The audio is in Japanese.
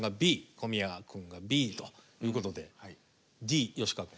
小宮君が「Ｂ」ということで「Ｄ」吉川君。